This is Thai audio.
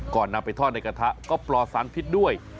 นำไปทอดในกระทะก็ปลอดสารพิษด้วย